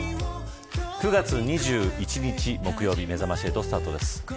９月２１日、木曜日めざまし８スタートです。